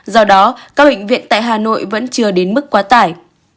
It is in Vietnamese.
do đó các bệnh viện tại hà nội vẫn chưa đến mức quá tải